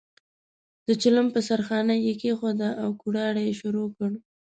د چلم په سر خانۍ یې کېښوده او کوړاړی یې شروع کړ.